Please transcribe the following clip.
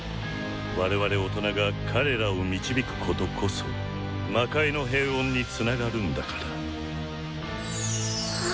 我々大人が彼らを導くことこそ魔界の平穏につながるんだから」。